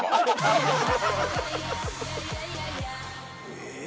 え⁉